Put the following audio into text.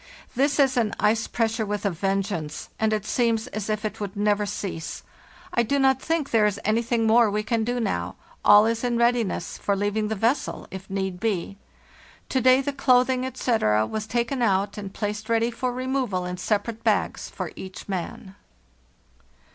This is an ice pressure with a vengeance, and it seems as if it would never cease. I do not think there is any thing more that we can do now. All is in readiness for leaving the vessel, if need be. To day the clothing, etc., was taken out and placed ready for removal in separate bags for each man.